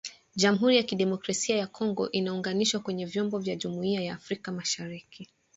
jamuhuri ya kidemokrasia ya Kongo inaunganishwa kwenye vyombo vya jumuiya ya Afrika mashariki